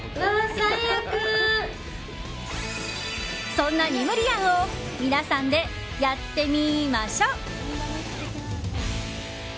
そんなニムリアンを皆さんでやってみましょ！